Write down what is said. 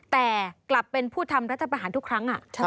แต่กลับเป็นผู้ทำรัฐประหารทุกครั้ง